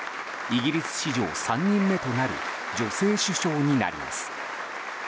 イギリス史上３人目となる女性首相になります。